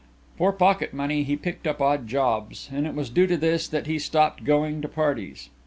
For pocket money, he picked up odd jobs, and it was due to this that he stopped going to parties.